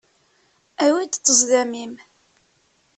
Awi-d ṭṭezḍam-im.